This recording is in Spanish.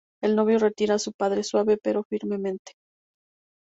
El novio retira a su padre suave, pero firmemente.